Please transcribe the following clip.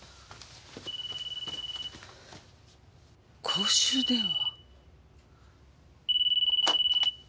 公衆電話。